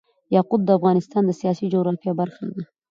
یاقوت د افغانستان د سیاسي جغرافیه برخه ده.